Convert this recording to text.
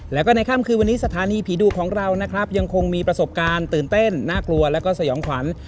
แล้วก็ในค่ำคืนวันนี้สถานีผีดุของเรานะครับยังคงมีประสบการณ์ตื่นเต้นน่ากลัวแล้วก็สยองขวัญ